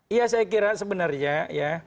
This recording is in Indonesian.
iya saya kira sebenarnya ya